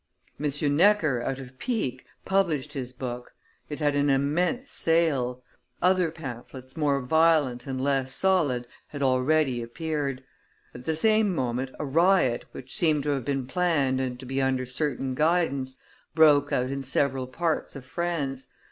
M. Necker, out of pique, published his book; it had an immense sale; other pamphlets, more violent and less solid, had already appeared; at the same moment a riot, which seemed to have been planned and to be under certain guidance, broke out in several parts of France.